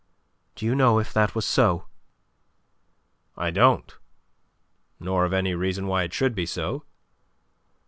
Do you know if that was so?" "I don't; nor of any reason why it should be so.